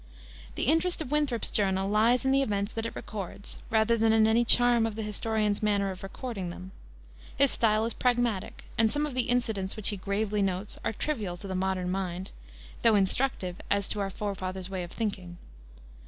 The interest of Winthrop's Journal lies in the events that it records rather than in any charm in the historian's manner of recording them. His style is pragmatic, and some of the incidents which he gravely notes are trivial to the modern mind, though instructive as to our forefathers' way of thinking.